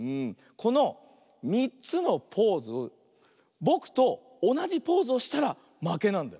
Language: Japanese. この３つのポーズぼくとおなじポーズをしたらまけなんだよ。